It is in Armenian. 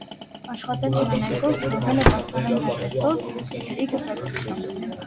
Աշխատել ջրաներկով, զբաղվել է պաստառային արվեստով և գրքերի գծագրությամբ։